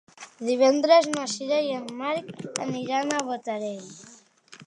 Divendres na Sira i en Marc aniran a Botarell.